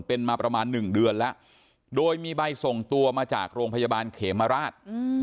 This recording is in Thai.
เป็นมาประมาณ๑เดือนแล้วโดยมีใบส่งตัวมาจากโรงพยาบาลเขมราช